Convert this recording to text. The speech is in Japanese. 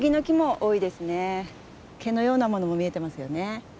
毛のようなものも見えてますよね。